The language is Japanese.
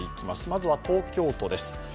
まずは東京都です。